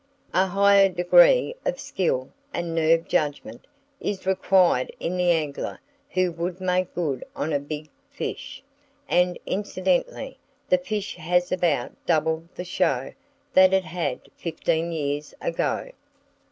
A higher degree of skill, and nerve and judgment, is required in the angler who would make good on a big fish; and, incidentally, the fish has about double "the show" that it had fifteen years ago.